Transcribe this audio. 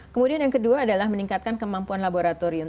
kemudian yang kedua adalah meningkatkan kemampuan laboratorium